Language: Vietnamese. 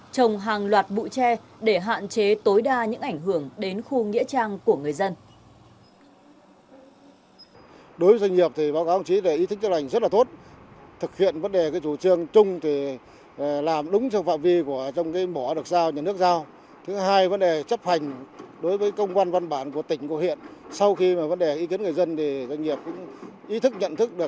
trồng hàng loạt bụi tre để hạn chế tối đa những ảnh hưởng đến khu nghĩa trang của người dân